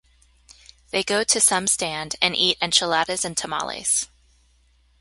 They go to some stand and eat enchiladas and tamales.